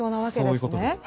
そういうことです。